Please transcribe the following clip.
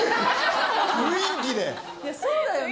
そうだよね。